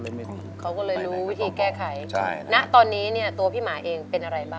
แค่ไขณตอนนี้เนี่ยตัวพี่หมาเองเป็นอะไรบ้างเรื่องสุขภาพ